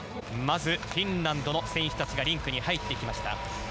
まずフィンランドの選手たちがリンクに入ってきました。